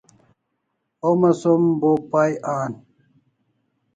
Homa som bo pay an